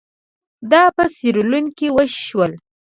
دا په سیریلیون کې وشول.